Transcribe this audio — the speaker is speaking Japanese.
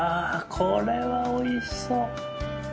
これはおいしそう。